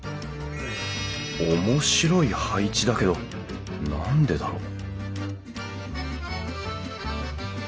おもしろい配置だけど何でだろう？